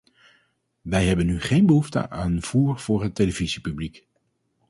Wij hebben nu geen behoefte aan voer voor het televisiepubliek.